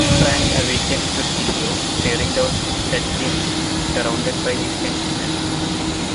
Frank awakens with Leo staring down at him, surrounded by his henchmen.